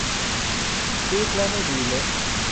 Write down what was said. ฟรีซแล้ว ไม่ดี เละ